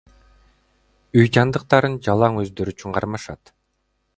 Үй жандыктарын жалаң өздөрү үчүн кармашат.